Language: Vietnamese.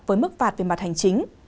với mức phạt về mặt hành chính